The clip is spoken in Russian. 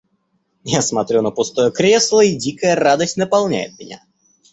Я смотрю на пустое кресло, и дикая радость наполняет меня.